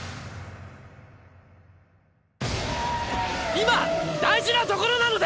今大事なところなので！